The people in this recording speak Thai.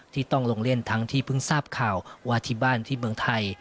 ที่ต้องลงเล่นทั้งที่เพิ่งทราบข่าวว่าที่บ้านที่เมืองไทย